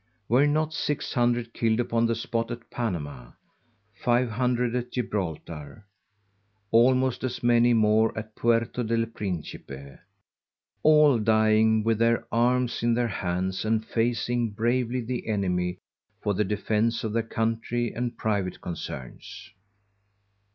Were not 600 killed upon the spot at_ Panama, 500 at Gibraltar, almost as many more at Puerto del Principe, _all dying with their Arms in their hands, and facing bravely the Enemy for the defence of their Country and private Concerns?